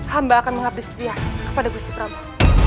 hamba akan mengabdi setia kepada gusti prabowo